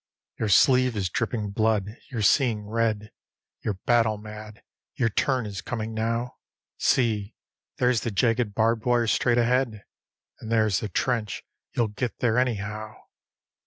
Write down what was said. Your sleeve is dripping blood; you're seeing red; You're battle mad; your turn is coming now. See! there's the jagged barbed wire straight ahead, And there's the trench you'll get there anyhow.